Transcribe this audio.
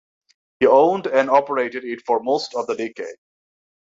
He owned and operated it for most of the decade.